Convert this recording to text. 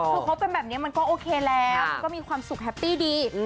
คือคบกันแบบนี้มันก็โอเคแล้วก็มีความสุขแฮปปี้ดี